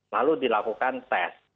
lalu dilakukan tes